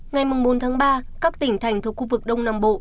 ngày bốn tháng ba các tỉnh thành thuộc khu vực đông nam bộ